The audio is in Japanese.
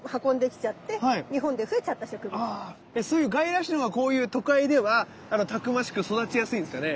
でそういう外来種のほうがこういう都会ではたくましく育ちやすいんですかね？